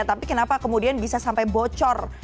tapi kenapa kemudian bisa sampai bocor